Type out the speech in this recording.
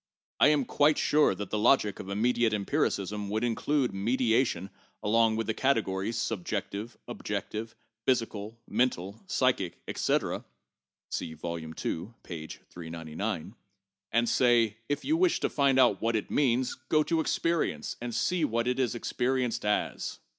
I am quite sure that the logic of immediate empiricism would include mediation along with the categories 'subjective, objective, physical, mental, psychic, etc' (see Vol. II., p. 399) and say, 'if you wish to find out what it means, go to experience and see what it is experienced as.'